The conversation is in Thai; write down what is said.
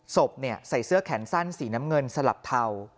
ใส่เสื้อแขนสั้นสีน้ำเงินสลับเทา